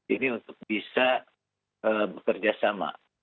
ini untuk bisa bekerja sama